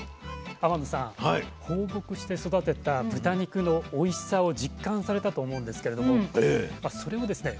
天野さん放牧して育てた豚肉のおいしさを実感されたと思うんですけれどもそれをですね